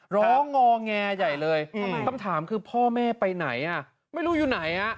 ร้องงอแงใหญ่เลยต้องถามคือพ่อแม่ไปไหนไม่รู้อยู่ไหน